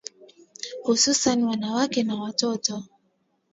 hususan wanawake na watoto